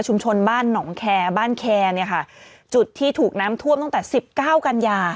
บ้านหนองแคร์บ้านแคร์เนี่ยค่ะจุดที่ถูกน้ำท่วมตั้งแต่สิบเก้ากันยา